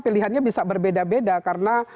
pilihannya bisa berbeda beda karena